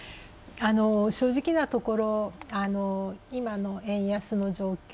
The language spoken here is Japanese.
あの正直なところ今の円安の状況